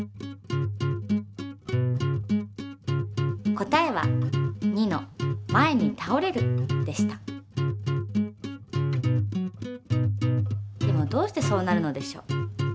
答えはでもどうしてそうなるのでしょう？